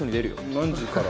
何時から？